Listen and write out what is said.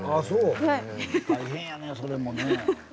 大変やねえそれもね。